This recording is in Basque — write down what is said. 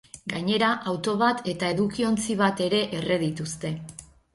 Gainera, auto bat eta edukiontzi bat ere erre dituzte.